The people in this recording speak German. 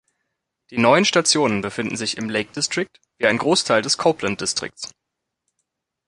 Die neuen Stationen befinden sich im Lake District, wie ein Großteil des Copeland-Distrikts.